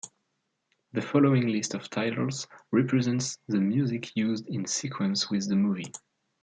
The following list of titles represents the music used in sequence with the movie.